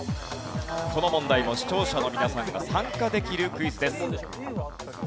この問題も視聴者の皆さんが参加できるクイズです。